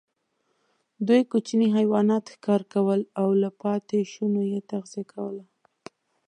دوی کوچني حیوانات ښکار کول او له پاتېشونو یې تغذیه کوله.